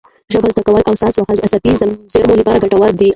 ژبه زده کول او ساز وهل د عصبي زېرمو لپاره ګټور دي.